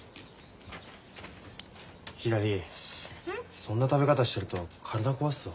ひらりそんな食べ方してると体壊すぞ。